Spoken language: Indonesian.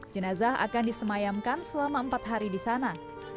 jenazah akan disemayamkan selama empat hari di sana